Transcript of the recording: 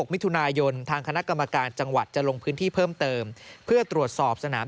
มิถุนายนทางคณะกรรมการจังหวัดจะลงพื้นที่เพิ่มเติมเพื่อตรวจสอบสนาม